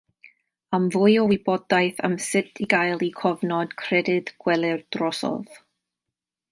Am fwy o wybodaeth am sut i gael eich cofnod credyd gweler drosodd.